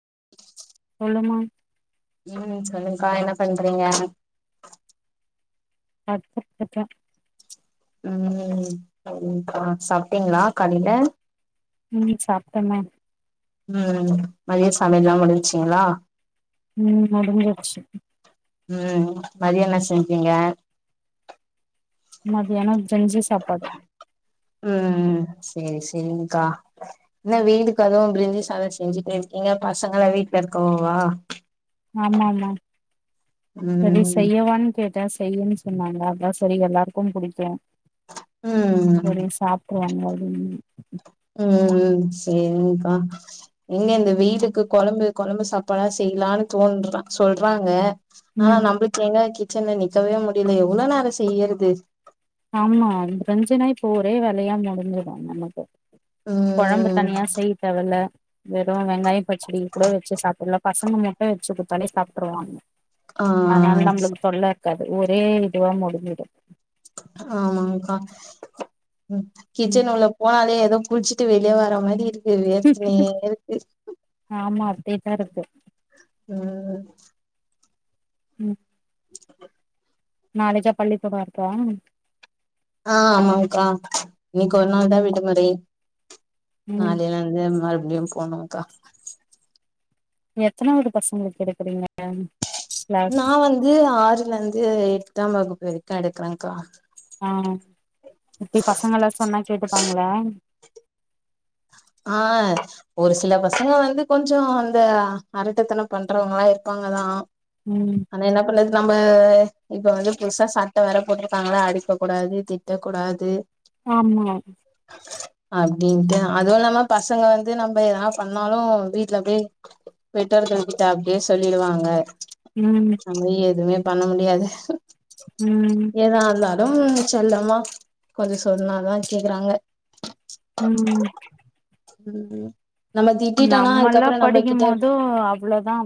[inaudible] சொல்லுமா ம் சொல்லுக்கா என்ன பண்றீங்க அத் அத்தா உம் சரிங்க்கா சாப்டீங்களா காலையில உம் சாப்டமே உஹம் மதிய சமையல்லாம் முடிஞ்ச்சீங்களா உம் முடிஞ்சிச்சு உம் மதியான செஞ்சீங்க மதியானோ செஞ்சு சாப்பாடு உம் செரி செரி்ங்கா என்ன வெயிலுக்கு அதுவும் பிரிஞ்சி சாதம் செஞ்சுட்டே இருக்கீங்க பசங்க வீட்டுல இருக்கவோவா ஆமா ஆமா சரி ம் செய்யவான்னு கேட் செய்ன்னு சொன்னாங்க அதான் செரி எல்லாருக்கும் பிடிக்கும் ம் சரி சாப்ட்டுரு வாங்க அப்படின்னு [inaudible] ம் சேரிங்கக்கா எங்க இந்த வெயிலுக்கு கொழம்பு கொழம்பு சாப்பாடா செய்யலான்னு தோன்றதா சொல்றாங்க ஆனா ம் நம்பளுக்கு எங்க கிச் சன்ல நிக்கவே முடியல எவ்ளோ நேரோ செய்யறது ஆமா பிரஞ்சனா இப்ப ஒரே வேலையா முடிஞ்சிடு நமக்கு கொழம்பு ம் தனியா செய்ய தேவல்ல வெறு வெங்காயம் பச்சடிய கூட வச்சி சாப்டலாம் பசங்க முட்டைய வச்சி குடுத் த ஒன்னே சாப்ட்ருவாங்க ஆ அதனால நம்மளுக்கு தொல்ல இருக்காது ஒரே இதுவா முடிஞ்சிடு ஆமாங்கக்கா ம் ம் கிச்சன் உள்ள போனாலே எதோ குளிச்சிட்டு வெளிய வர மாரி இருக் ஆமா அப்டேதாருக்கு ம் ம் நளைக்கா பள்ளிக்கூடோ இருக்கா ஆ ஆமாங்க்கா இன்னிக்கு ஒரு நாள் தா விடுமுறை ம் நாளைலருந்து மறுப் டியும்ஸ் போனுங்க்கா எத்தனாவது பசங்களுக்கு எடுக்குறீங்க கிளாஸ் நா வந்து ஆறுலந்து எட் ட்டாம் வகுப்பு வெரிக்கு எடுக்குறங்க்கா ஆ எப்டி பசங்கல்லா சொன்னா கேட்டுப்பாங்களா ஆ ஒரு சில பசங்க வந்து கொஞ்சோ அந்த அரட்டத்தனம் பண்றவங்களா இருப்பாங்கதா ம் ஆனா என்ன பண்ணுது நம்ப இப்ப வந்து புதுசா சட்டவேற போட்ருக்காங்களா அடிக்ககூடாது திட்டக்கூடாது ஆமா அப்டின்ட்டா அதுவு இல்லாம பசங்க வந்து நம்ப எதனா பண்ணாலு வீட்ல பேய் பெற்றோர்கள்கிட்ட அப்டியே சொல்லிடுவாங்க ம் நம்மே எதுமே பண்ண முடியாது ம் தா செல்லமா கொஞ்சோ சொன்னாதா கேக்குறாங்க ம் உம் நம்மல்லா படிக்கும் போது அவ்ளோதா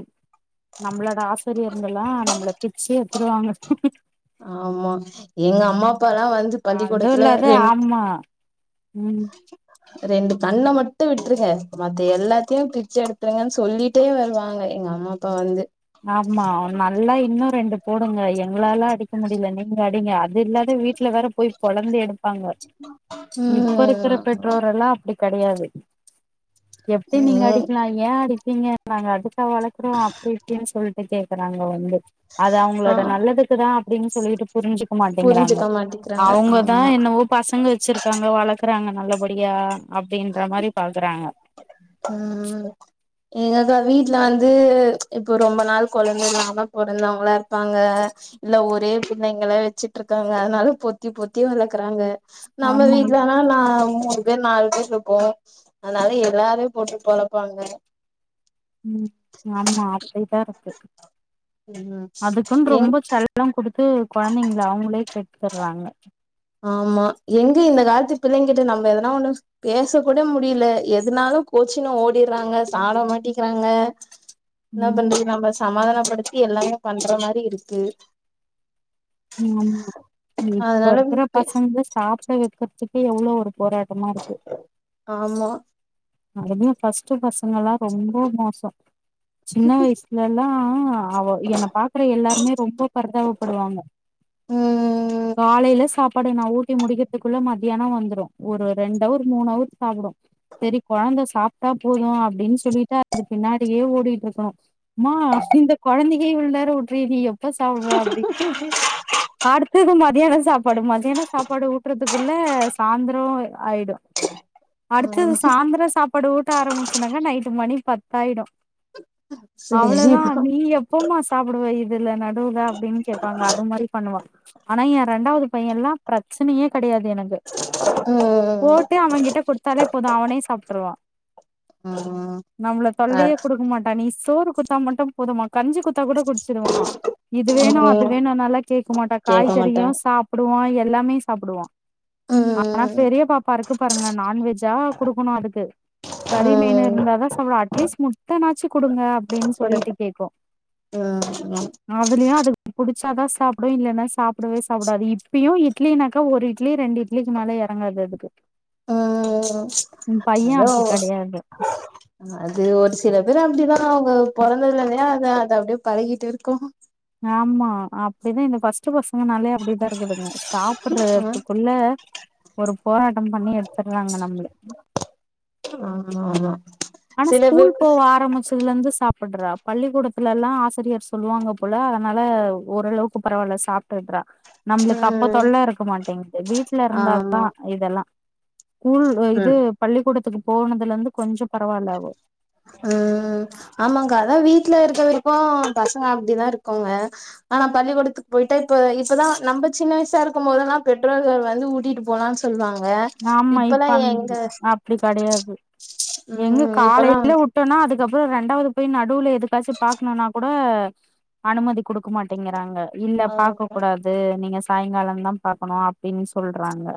நம்பளோட ஆசிரியங்கெல்லா நம்பள பிச்சி ருவாங்க ஆமா எங்க அம்மா அப்பாலா வந்து அதுவ் பள்ளிக்கூடத்துல இல்லாத ரெண் ஆமா ம் ரெண்டு கண்ண மட்டு விட்ருங்க மத்த எல்லாத்யு பிச்சி எடுத்துருங்கன் சொல்லிட்டே வருவாங்க எங்க அம்மாப்பா வந்து ஆமா நல்லா இன்னு ரெண்டு போடுங்க எங்களால அடிக் முடில நீங்க அடி ங்க அது இல்லாத வீ ட்ல வேற போய் பொலந்து எடுப்பாங்க இப்ப ருக்கிற ம் பெற்றோரெல்லா அப்டி கெடயாது எப்டி நீங்க ம் அடிக்லா ஏ அடிப் பீங்க நாங்க அது கங்கா வளக்குறோ அப்டி சொல்ட்டு கேக்குறாங்க வந்து அது ஆ அவுங்களோட நல்லதுக்கு தா அப்டின் [unintelligible] புரிஞ்சு மாட்டேங்கறாங்க புரிஞ்சுக்க மாட்டிக்கிறாங்க அவுங்கதா ஆமா என்னவோ பசங்க வச்சிருக்காங்க வளர்க்குறாங்க நல்லபடியா அப்படின்ற மாரி பாக்குறாங்க ம் எங்கக்க வீட்ல வந்து ப்ச் இப்போ ரொம்ப நாள் கொழந்த இல்லாம பொறந்தவங்கள்ளா இருப்பாங்க இல்ல ஒரே பிள்ளைங்கள வெச்சிட்டு இருக்காங்க அதனால பொத்தி பொத்தி வள இருக்கறாங்க நம்ம ஆமா வீட்லனா நா மூணு பேர் நாலு பேர் இருக்கோ அதனால எல்லார் போட்டு பொலப்பாங்க உம் ஆமா ஆசைதா இருக்கு ம் அதுக்குனனு எங் ரொம்போ செல்லம் குடுத்து கொழந்தைங்கள அவுங்களே கெடுத்துர்றாங்க ஆமா எங்க இந்த காலத்து பிள்ளைங்கிட்ட நம்ம எதனா ஒண்ணு பேச கூட முடியல எதனாலு கோச்சினு ஓடிராறாங்க சாப்ட மாட்டிக்கிறாங்க என்ன ம் பண்றது நம்ம சமாதான படுத்தி எல்லாமே பண்ற மாரி இருக்கு ஆமா உம் இப்ப அதனால இருக்கிற பே பசங்களே சாப் சாப்பிட வெக்கிறதுதுக்கு எவ்ளோ ஒரு போராட்டமா இருக்கு ஆமா அதுதா ஃபர்ஸ்ட் ஃபர்ஸ்ட் பசங்கல்லா ரொம்ப மோசோ சின்ன வயசுலல்லா அவ என்ன பாக்குற எல்லாருமே ரொம்ப பரிதாபப்படுவாங்க ம் காலைல சாப்பாட நா ஊட்டி முடிக்கிறதுக்குள்ள மதியானம் வந்துரு ஒரு ரெண்டு அவர் மூணு அவர் சாப்டு, சேரி கொழந்த சாப்ட்டா போதும் அப்டின்னு சொல்லிட்டு அது பின்னாடியே ஓடிட்டு இருக்கணு மா இந்த கொழந்தைங் கே இவ்ளோ நேரோ ஊட்றியே டி எப்பதா சாப்டுவ அப்டிம்பாங்க அடுத்தது மதியான சாப்பாடு மதியான சாப்பாடு ஊட்டுறதுக்குள்ள சாய்ந்தரம் ஆயிடு அடுத்தது ம் சாய்ந்தரம் சாப் பாடு ஊட்ட ஆரம்பிச்சனாக்கா நைட்டு மணி பத்தாயிடு அவ்ளதா சேரிதா நீ எப்பமா சாப்புடுவ இதுல நடுவுல அப்டின்னு கேப்பாங்க அ மாரி பண்ணுவா, ஆனா எ ரெண்டாவது பையல்லா பிரச்சனயே கெடையாது எனக்கு ம் ம் ம் தே அவங்கிட்ட குட்த்தாலே போது அவனே சாப்ட்ருவா ம் நம்ள அ தொல்லயே குடுக்கு மாட்டா நீ சோறு குத்தா மட்டு போதுமா கஞ்சி குத்தா கூட குட்ச்சிருவா இது வேணு அது ம் வேணுனா ல்லா கேக்குமாட்டா கேக்க காய்கறியு மாட்டாங்க சாப்டுவா எல்லாமே சாப்டுவா ஆனா ம் பெரிய பாப்பா இருக்கு பாருங்க நான்வெஜ்ஜா குடுக்குணு அதுக்கு கறி மீனு ம் இருந்தா தா சாப்புடு அட் ட்லீ்ஸ் முட்டனாச்சு குடுங்க அப் ப்டின் குடு சொல்லிட்டு கேக்கு ம் ம் அதுல்யு அதுக் புடுச்சா தா சாப்டு இல்லேன்னா சாப்டவே சாப்புடாது இப்பியு இட்லினாக்க ஒரு இட்லி ரெண்டு இட்லிக்கு மேல எறங்காது அதுக்கு ஓ என் பைய அதோ அப்டி கெடையாது அது ஒரு சில பேர் அப்டிதா அவுங்க பொறந்ததுலேந்தே அது அத அப்டே பழகிட் இருக்கு ஆம்மா அப்டிதா இந்த ஃபஸ்ட்டு பஸ் ங்கனாலே அப்புடிதா இருக்குதுங்க ஆ சாப்புட்றதுக்குள்ள ஒரு போராட்ட பண்ணி எடுத்துற்றாங்க நம்முள ஆமா ஆமா ஆனா சில ஸ்கூல் பேர் போவ ஆரமுச்சதுலந்து சாப் புட்றா பள்ளிக்கூடத்துலல்லா ஆசிரியர் சொல்லுவாங்க போல அதனால ஓரளவுக்கு பரவால்ல சாப்பிட்றா நம்ப்ளுக்கு அப்ப ம் தொல்ல இருக்க மாட்டேங்து வீட்ல ஆமா இருந்தாதா இதல்லா கூல் அ இது ம் பள்ளிக்கூடத்துக்கு போனதுலந்து கொஞ்சொ பரவா இல்ல அவொ ஆ ஆமாங்கா அதா வீட்ல இருக்க வரிக்கு பசங்க அப்டிதா இருக்குங்க ஆனா பள்ளிக்கூடத்துக் போய்ட்டா இப்ப இப்பதா நம்ப சின்ன வயசா இருக்கம் போதெல்லா பெற்றோர்கள் வந்து ஊட்டிட்டு போலான் சொல்லுவாங் ஆமா இப்ப அந் அப்டி கடையாது எங்க ம் இப்பல்லா காலையில உட் வந்து விட்டோன்னா அதுக்கப்புறோ ரெண்டாவது போய் நடுவுல எதுக்காச்சும் பாக்கணுன்னா கூட அனுமதி குடுக்க மாட்டேங்கிறாங்க இல்ல ஆ பாக்கக்கூடாது நீங்க சாய்ங்காலம்தா பாக்கணு அப்டின்னு சொல்றாங்க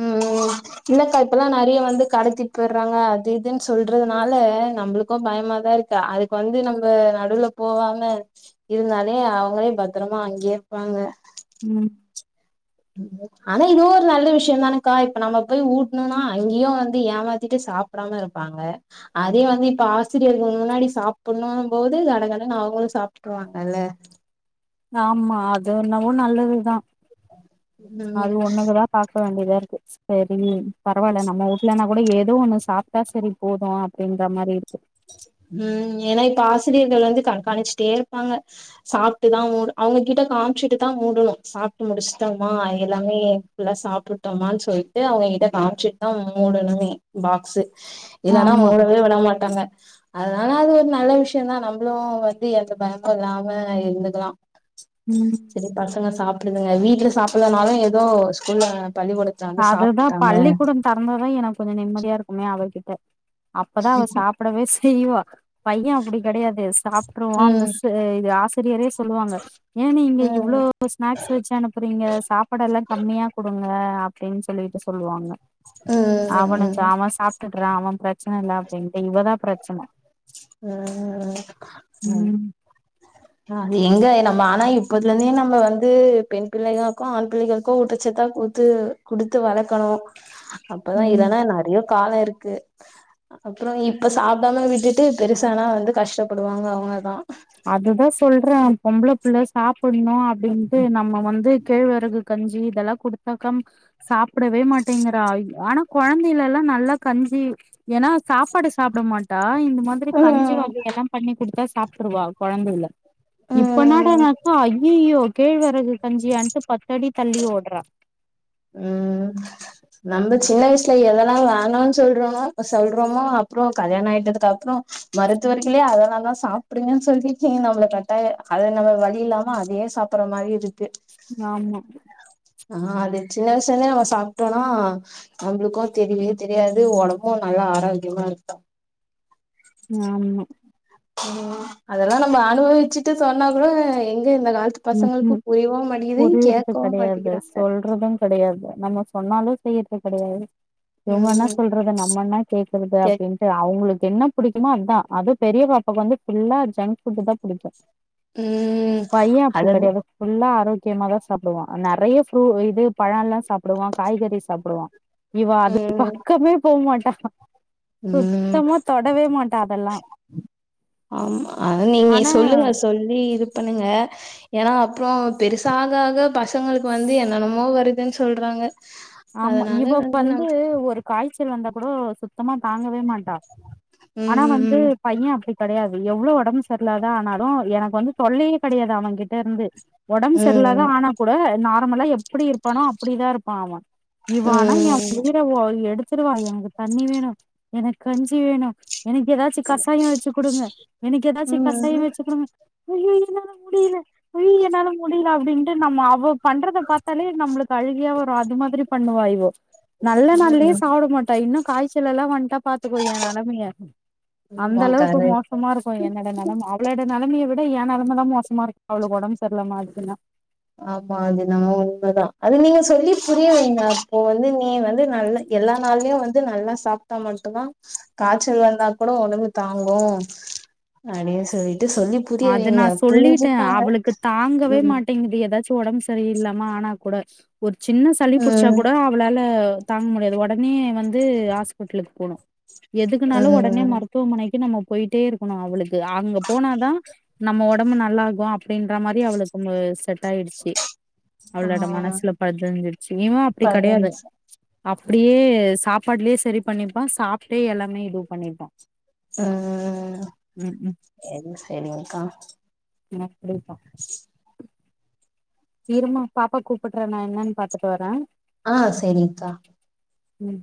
ம் இல்லக்கா இப்பல்லா நறைய வந்து கடத்திட்டு போயிட்றாங்க அது இதுன்னு சொல்றதுனால நம்பளுக்கும் பயமாதா இருக்கு அதுக்கு வந்து நம்ப நடுவுல போவாம இருந்தாலே அவங்களே பத்தரமா அங்கே இருப்பாங்க ம் ஆனா இதுவு ஒரு நல்ல விஷ்யோ தானக்கா இப்ப நம்ம போய் ஊட்ணுன்னா அங்கயும் வந்து ஏமாத்திட்டு சாப்டாம இருப்பாங்க அதே வந்து இப்ப ஆசிரியர்கள் முன்னாடி சாப்புட்ணும் போது கடகடனு அவங்களும் சாப்ட்ருவாங்கல்ல ஆமா அது அது என்னவோ நல்லதுதா ம் அது ஒண்ணுக்குதா பாக்க வேண்டியதா சரிங்க பரவால்ல நம்ம ஊ்லனாக்கூட ஏதோ ஒன்னு சாப்ட்டா சரி போதும் அப்டிங்க மாரி இருக்கு ம் ஏன்னா இப்ப ஆசிரியர்கள் வந்து கண்காணிச்சிட்டே இருப்பாங்க சாப்ட்டுதா மூட் அவங்ககிட்ட காமிச்சிட்டு தான் மூடுணும் சாப்ட்டு முடிச்சிட்டோமா எல்லாமே ஃபுல்லா சாப்ட்டுட்டோமான்னு சொல்லிட்டு அவங்ககிட்ட காம்ச்சிட்டு தா மூடணுமே பாக்ஸு இல்லனா ஆமா மூடவே விட மாட்டாங்க அதனால அது ஒரு நல்ல விஷ்யோதா நம்பளும் வந்து எந்த பயமு இல்லாம இருந்துக்கலா ம் செரி பசங்க சாப்டுதுங்க வீட்ல சாப் சாப்புட்லனாலு ஏதோ ஸ்கூல்ல பள்ளிக்கூடத்துல வந்து அதுதா சாப்ட்டுட்டாங்க பள்ளிக்கூடம் தெறந்துதா எனக்கு கொஞ்சம் நிம்மதியா இருக்குமே அதா கேக் த அப்பதா அவ சாப்டவே செய்வா பையன் அப்டி கெடையாது சாப்ட்ருவான் ம் மிஸ்ஸு இது ஆஸ் சரி எரே சொல்லுவாங்க ஏ நீங்க ம் இவ்ளோ ஸ்நாக்ஸ் வச்சு அனுப்புறீங்க சாப்பாடெல்லா கம்மியா குடுங்க அப்டினு சொல்லிட்டு சொல்லுவாங்க ம் அவனுக்கு ம் அவன் சாப்ட்டு அப்போ அவன் பிரச்சன இல்ல அப்டின்ட்டு இவதா பிரச்சன ம் ம் ஆ எங்க ஆனா இப்பத்துலேந்தே நம்ம வந்து பெண் பிள்ளைகளுக்கும் ஆண் பிள்ளைகளுக்கும் ஊட்டச்சத்தா கூத்து குடுத்து வளக்கணு அப்பதா ம் இல்லன்னா நறைய காலோ இருக்கு அப்றோ இப்ப சாப்டாம விட்டுட்டு பெருசானா வந்து கஷ்டப்படுவாங்க அவங்க தா அதுதா சொல்றேன் பொம்பளப்புள்ள சாப்புட்ணு அப்டின்ட்டு நம்ம வந்து கேழ்வரகு கஞ்சி இதெல்லா குடுத்தாக்கா சாப்டவே மாட்டேங்கிறா ஆனா கொழந்தைலல்லா நல்லா கஞ்சி ஏன்னா சாப்பாடு சாப்ட மாட்டா இந்த மாதிரி கஞ்சி ம் வகை எல்லா பண்ணிக்குடுத்தா டுருவா கொளந்தைல இப்ப ம் நாடனக்க அய்யயோ கேழ்வறகு கஞ்சியான்ட்டு பத்தடி தள்ளி ஓடுறா உம் நம்ம சின்ன வயசுல எதெல்லா வே சொல்றோமோ சொல்றோமோ அப்புறம் கல்யாணம் ஆயிட்டதுக்கு அப்புறம் மருத்துவர்களயே அதெல்லாம் தான் சாப்பிடுீங்கன்னு சொல்லி நம்மளை கட்டாயம் அதை நம்ம வழி இல்லா அதையே சாப்படுற மாதிரி இருக்கு ஆமா ஆஹ் அது சின்ன வயசுலருந்தே நம்ம சாப்பிட்டோனா நம்மளுக்கும் தெரியு தெரியாது உடம்பும் நல்லா ஆரோக்கியமா இருக்கு ஆமா... உம் அதெல்லாம் நம்ம அனுபவிச்சுட்டு சொன்னா கூடங் ம்ம் புரியற்து கேட்கவு கடையாது மாட்டேங்கிறாங்க சொல்றதும் கடையாது நம்ம சொன்னாலும் செய்யற்து கடையாது இவுங்க என்னா ம் சொல்றது நம்மன்னா கேக்கற்து கேக் அப்டின்டு அவுங்களுக்கு என்ன புடிக்குமோ அத்தான் அதும் பெரிய பாப்பாக் வந்து ஃபுல்லா ஜங்க் ஃபுட் தான் புடிக்கும் ம் அத [unintelligible] கியமா தான் சாப்டுவான் நிறைய ப்ரூ இது பழல்லாம் சாப்டுவான் காய்கறி சாப்டுவான் இவா அது ம் பக்கமே போமாட் ம் தொடவே மாட்டா அதெல்லா அம் அத நீங்க ஆனா சொல்லுங்க சொல்லி இது பண்ணுங்க ஏன்னா அப்ரோ பெருசா ஆக ஆக பச தங்களுக்கு வந்து என்னனமோ வர் துதுன் சொல்றாங்க ஆமா அதனால இவ வந்து நம்ம ஒரு காய்ச்சல் வந்தா குடோ சுத்தமா தாங்கவே மாட் டா ம் ஆனா வந்து ம் பைய அப்டி கடையாது எவ்ளோ ஒடம்பு சர்லாத ஆனாலும் எனக்கு வந்து தொல்லையே கடையாது அவ கிட்ட இருந்து ஒடம் சர்லாத ம் ஆனா கூட நா [unintelligible] எப்டி இருப்பானோ அப்டிதான் இருப்பான் அவன் இவ ஆனா ஏ உயிர ஒ எடுத்துருவா எனக்கு தண்ணி வேணும் எனக்கு கஞ்சி வேணும் எனக்கு ஏதாச்சு கசாயோ வச்சு குடுங்க எனக்கு ஏதாச்சு கசாயோ ம் வச்சு குடுங்க ஐய்யோ என்னால முடில ஐயு என்னால முடில அப்டின்ட்டு நம்ம அவ பண்றத பாத்தாலே நம்ளுக்கு அழுகியா வரு அது மாதுரி வாய்வோ நல்ல நாள்ளே ம் சாப்டமாட்டா இன்னு காய்ச்சல் எல்லா வன்டாப் பாத்துக்கோ ஏ நெலமய ஆமா அந்தளவுக்கு கரெக்ட் மோசமா இருக்கு என்னட நெலம அவளோட நெலமிய விட் ட எ நெலமதா மோசமா இருக்கு அவளுக்கு ஒடம் சர்லாமாகுதுன்னா ஆமா அது என்னமோ உண்மதா அது நீங்க சொல்லி புரிய வைங்க அப்போ வந்து நீ வந்து நல்லா எல்லா நாளுமே வந்து நல்லா சாப்ட்டா மட்டு்தா காச்சல் வந்தா கூட ஒடம்பு தாங்கு அடின் சொல்லி புரிய அது நா வைங்க சொல்லிட்ட புரிஞ்சுப்பாங்க அவளுக்கு தாங்கவே ம் மாட்டேங்குது ஏதாச்சு ஒடம்பு சரியில்லாமா ஆனா கூட ஒருத் சின்ன சளி புடிச்சா ம் கூட அவளால தாங்க முடியாது ஒடனே வந்து ஹாஸ்பிட்லுக்கு போனு எதுக்குனாலு ஒடனே ம் மருத்துவமனைக் கு நம்ம போயிட்டே இருக்கணு அவளுக் கு அங்க போனாதா நம்ம ஒடம்பு நல்லாகு அப் டின்ற மாரி அவளுக்கு செட் ஆயிடுச்சி அவளோட ஆ மனசுல பதிஞ்சிடுச்சி இவே அப்டி கெடையாது பதினஞ்சு அப்டியே சாப்பாட்லயே சரி பண்ணிப்பா சாப்ட்டே எல்லாமே இதுவு பண்ணிப்பா ம் ம் என்ன தெரியுங்க்கா ம் அடேய்யப்பா ம் இருமா பாப்பா கூப்புட்றா நா என்னன்னு பாத்துட்டு வர்றே ஆ சேரிங்க்கா ம்